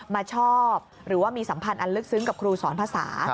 มาชอบหรือว่ามีสัมพันธ์อันลึกซึ้งกับครูสอนภาษา